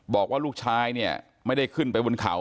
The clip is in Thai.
บอกว่าลูกชายเนี่ยไม่ได้ขึ้นไปบนเขา